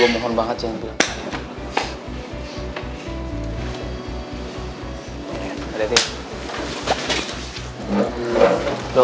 gue mohon banget jangan berantakan